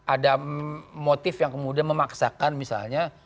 ada motif yang kemudian memaksakan misalnya